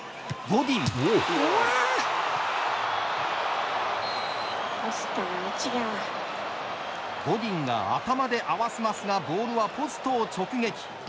ゴディンが頭で合わせますがボールはポストを直撃。